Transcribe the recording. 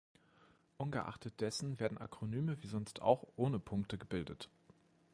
Ungeachtet dessen werden Akronyme, wie sonst auch, ohne Punkte gebildet.